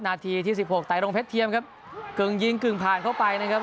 นาทีที่สิบหกไตรรงเพชรเทียมครับกึ่งยิงกึ่งผ่านเข้าไปนะครับ